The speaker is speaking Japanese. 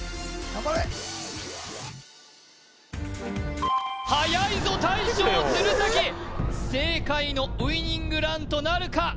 頑張れはやいぞ大将鶴崎正解のウイニングランとなるか？